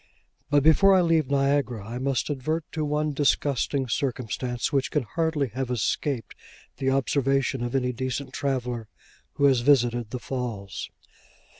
But before I leave Niagara, I must advert to one disgusting circumstance which can hardly have escaped the observation of any decent traveller who has visited the Falls.